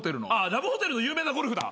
ラブホテルの有名なＧＯＬＦだ。